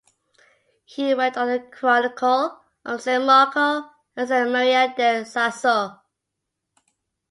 He worked on the chronicle of San Marco and San Maria del Sasso.